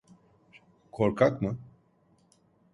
Korkak mı?